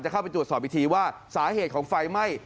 เข้าไปตรวจสอบอีกทีว่าสาเหตุของไฟไหม้